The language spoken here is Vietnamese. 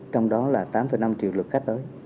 trong đó là tám năm triệu lượt khách tới